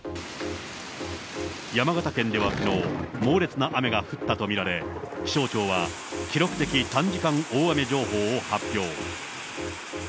山形県ではきのう、猛烈な雨が降ったと見られ、気象庁は記録的短時間大雨情報を発表。